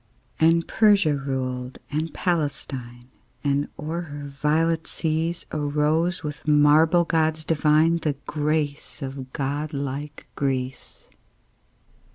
And Persia ruled and Palestine; And o'er her violet seas Arose, with marble gods divine, The grace of god like Greece.